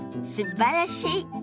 すばらしい！